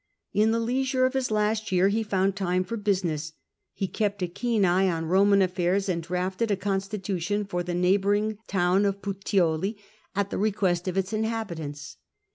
In the leisure of his last year he found time for business : he kept a keen eye on Pi, oman affairs, and drafted a constitution for the neigh bouring town of Puteoli at the request of its inhabitants.